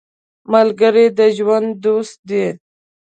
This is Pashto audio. ملګری د ژوند دوست دی